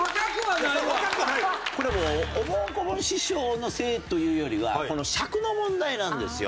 これおぼん・こぼん師匠のせいというよりはこの尺の問題なんですよ。